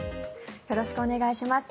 よろしくお願いします。